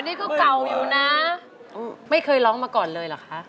นี่ก็เก่าอยู่นะไม่เคยร้องมาก่อนเลยเหรอคะ